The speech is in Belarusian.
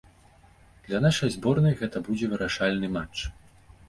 Для нашай зборнай гэта будзе вырашальны матч.